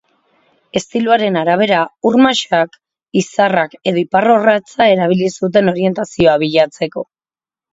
Estiloaren arabera, ur-masak, izarrak edo iparrorratza erabili zuten orientazioa bilatzeko.